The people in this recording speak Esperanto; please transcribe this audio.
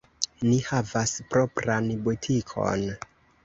Ni havas propran butikon.